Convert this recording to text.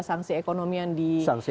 sanksi ekonomi yang di